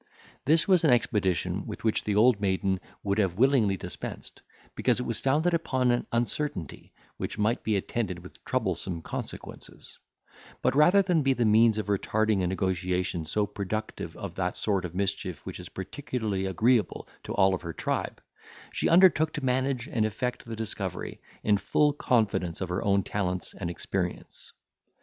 This was an expedition with which the old maiden would have willingly dispensed, because it was founded upon an uncertainty, which might be attended with troublesome consequences; but, rather than be the means of retarding a negotiation so productive of that sort of mischief which is particularly agreeable to all of her tribe, she undertook to manage and effect the discovery, in full confidence of her own talents and experience.